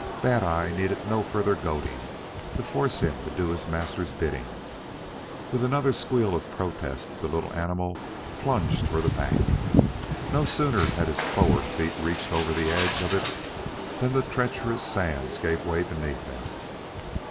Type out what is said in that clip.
Bad eye needed no further goading to force him to do his master's bidding. With another squeal of protest the little animal plunged for the bank. No sooner had his forward feet reached over the edge of it than the treacherous sands gave way beneath them.